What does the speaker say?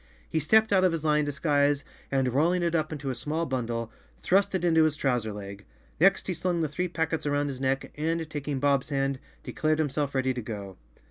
fHe stepped out of his lion disguise and, rolling it up into a small bundle, thrust it into his trouser leg. Next he slung the three packets around his neck and, taking Bob's hand, de , dared himself ready to go.